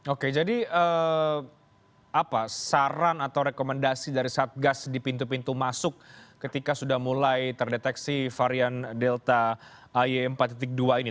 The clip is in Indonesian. oke jadi apa saran atau rekomendasi dari satgas di pintu pintu masuk ketika sudah mulai terdeteksi varian delta ay empat dua ini